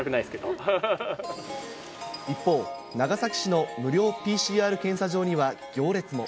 一方、長崎市の無料ＰＣＲ検査場には行列も。